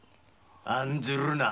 案ずるな。